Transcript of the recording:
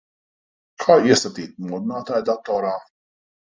Kā iestatīt modinātāju datorā?